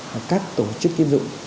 và các tổ chức kiếm dụng